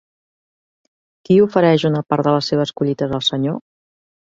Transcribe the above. Qui ofereix una part de les seves collites al Senyor?